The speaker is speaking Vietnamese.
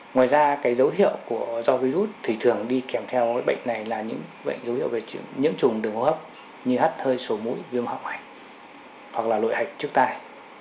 ngoài ra cái dấu hiệu do virus thì thường đi kèm theo bệnh này là những dấu hiệu về nhiễm trùng đường hô hấp như hắt hơi sổ mũi viêm họng hạch hoặc là lụy hạch trước tay